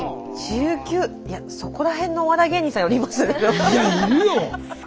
いやそこら辺のお笑い芸人さんよりいますね。